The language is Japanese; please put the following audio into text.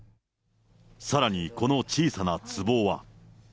さらにこの小さなつぼは。